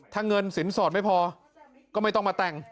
ถ้าเงินสินสอดไม่พอก็ไม่ต้องมาแต่ง